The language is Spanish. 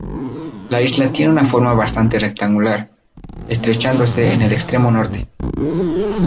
La isla tien una forma bastante rectangular, estrechándose en el extremo norte.